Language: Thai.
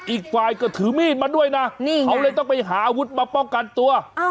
อีกฝ่ายก็ถือมีดมาด้วยนะเขาเลยต้องไปหาอาวุธมาป้องกันตัว